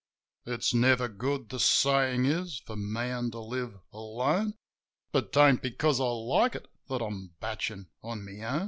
It's never good, the sayin' is, for man to live alone. But 'tain't because I like it that I'm batchin' on my own.